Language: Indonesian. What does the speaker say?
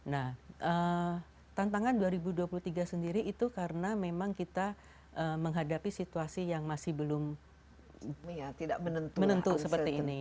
nah tantangan dua ribu dua puluh tiga sendiri itu karena memang kita menghadapi situasi yang masih belum menentu seperti ini